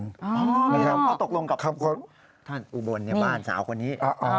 ก็ตกลงกับท่านอุบลในบ้านสาวคนนี้